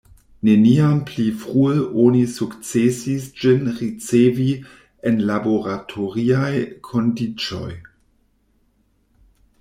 Neniam pli frue oni sukcesis ĝin ricevi en laboratoriaj kondiĉoj.